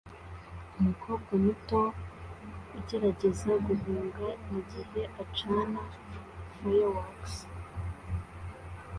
Umukobwa muto ugerageza guhunga mugihe acana fireworks